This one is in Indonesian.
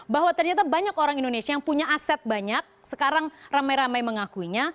bahwa ternyata banyak orang indonesia yang punya aset banyak sekarang ramai ramai mengakuinya